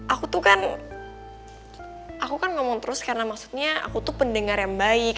aku tuh kan aku kan ngomong terus karena maksudnya aku tuh pendengar yang baik